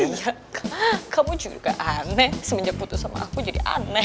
nah kamu juga aneh semenjak putus sama aku jadi aneh